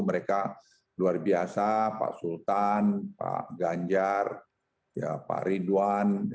mereka luar biasa pak sultan pak ganjar pak ridwan